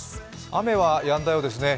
雨はやんだようですね。